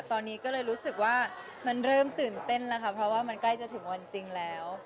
ตอนนี้ก็เลยรู้สึกว่ามันเริ่มตื่นเต้นแล้วค่ะเพราะว่ามันใกล้จะถึงวันจริงแล้ว